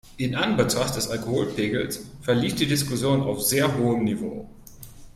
In Anbetracht des Alkoholpegels verlief die Diskussion auf sehr hohem Niveau.